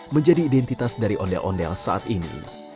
menjadi identitas dari ondel ondel saat ini